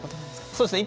そうですね。